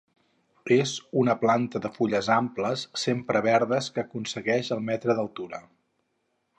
És una planta de fulles amples sempre verdes que aconsegueix el metre d'altura.